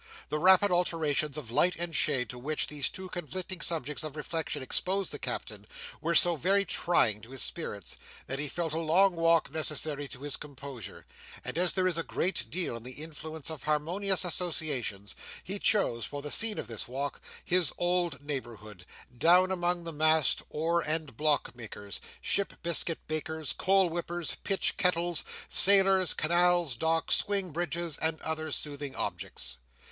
The rapid alternations of light and shade to which these two conflicting subjects of reflection exposed the Captain, were so very trying to his spirits, that he felt a long walk necessary to his composure; and as there is a great deal in the influence of harmonious associations, he chose, for the scene of this walk, his old neighbourhood, down among the mast, oar, and block makers, ship biscuit bakers, coal whippers, pitch kettles, sailors, canals, docks, swing bridges, and other soothing objects.